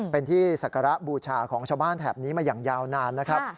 เป็นที่ศักระบูชาของชาวบ้านแถบนี้มาอย่างยาวนานนะครับ